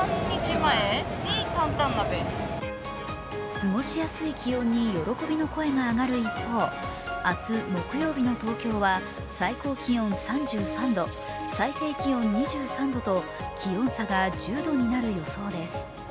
過ごしやすい気温に喜びの声が上がる一方、明日木曜日の東京は最高気温３３度、最低気温２３度と気温差が１０度になる予想です。